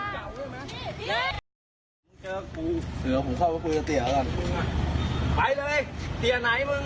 ก็จะมีเสื้อแดง